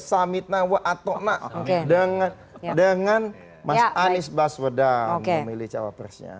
samitna wa ato'na dengan mas anies baswedan memilih jawabannya